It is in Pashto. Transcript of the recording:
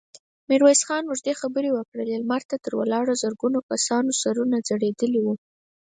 ميرويس خان اوږدې خبرې وکړې، لمر ته د ولاړو زرګونو کسانو سرونه ځړېدلي وو.